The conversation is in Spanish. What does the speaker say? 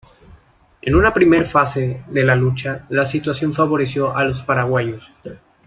En una primer fase de la lucha la situación favoreció a los paraguayos.